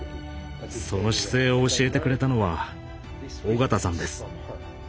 その姿勢を教えてくれたのは緒方さんです。